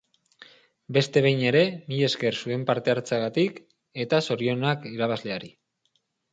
Beste behin ere, mila esker zuen parte hartzeagatik eta zorionak irabazleari!